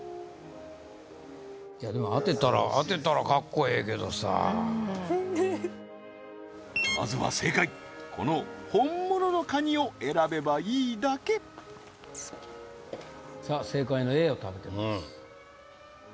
いやでも当てたらまずは正解この本物のカニを選べばいいだけさあ正解のＡを食べてます